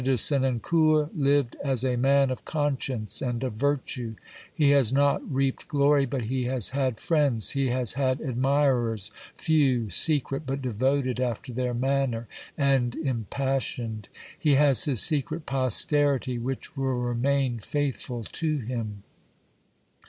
de Senancour lived as a man of conscience and of virtue; he has not reaped glory, but he has had friends ; he has had admirers, few, secret, but devoted after their manner and impassioned ; he has his secret posterity, which will remain faithful to him."